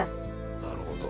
なるほど。